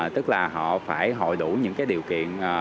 tức là họ phải hội đủ những điều kiện